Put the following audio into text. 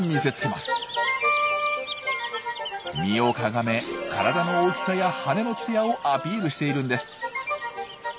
身をかがめ体の大きさや羽のつやをアピールしているんです。